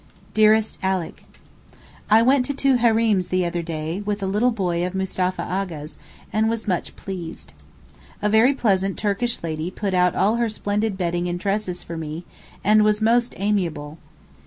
DEAREST ALICK, I went to two hareems the other day with a little boy of Mustapha Aga's, and was much pleased. A very pleasant Turkish lady put out all her splendid bedding and dresses for me, and was most amiable.